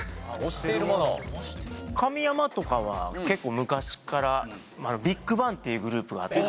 神山とかは結構昔からＢＩＧＢＡＮＧっていうグループ。